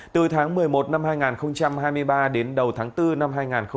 từ tháng một mươi một năm hai nghìn hai mươi ba đến đầu tháng bốn năm hai nghìn hai mươi